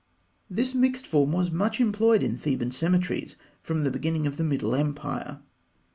This mixed form was much employed in Theban cemeteries from the beginning of the Middle Empire.